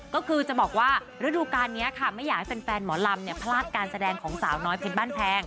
ก็คือจะบอกว่าฤดูการนี้ค่ะไม่อยากให้แฟนหมอลำเนี่ยพลาดการแสดงของสาวน้อยเพชรบ้านแพง